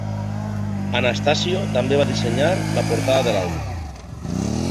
Anastasio també va dissenyar la portada de l'àlbum.